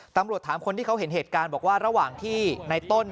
ตำรวจถามคนที่เขาเห็นเหตุการณ์บอกว่าระหว่างที่ในต้น